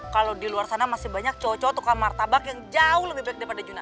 kalau di luar sana masih banyak cowok cowok tukang martabak yang jauh lebih baik daripada juna